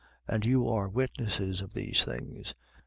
And you are witnesses of these things.